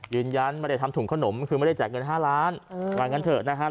ยืนยันไม่ได้ทำถุงขนมคือไม่ได้แจกเงิน๕ล้านว่างั้นเถอะนะครับ